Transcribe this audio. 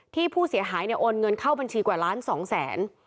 ที่ผู้เสียหายโอนเงินเข้าบัญชีกว่าล้านสองแสน